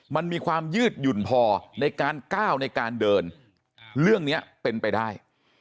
มันมีความยืดหยุ่นพอในการก้าวในการเดินเรื่องนี้เป็นไปได้